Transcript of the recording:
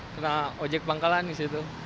kena ojek pangkalan gitu